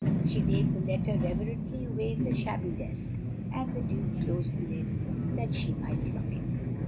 She laid the letter reverently away in the shabby desk; and the Duke closed the lid that she might lock it.